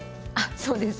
そうです。